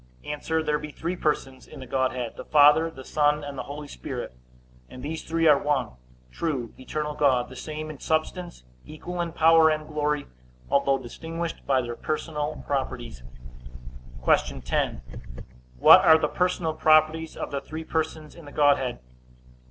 A. There be three persons in the Godhead, the Father, the Son, and the Holy Ghost; and these three are one true, eternal God, the same in substance, equal in power and glory; although distinguished by their personal properties. Q. 10. What are the personal properties of the three persons in the Godhead?